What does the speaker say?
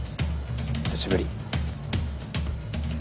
久しぶり。